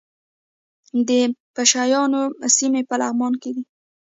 د پشه یانو سیمې په لغمان کې دي